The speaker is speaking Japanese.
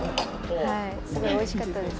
すごいおいしかったです。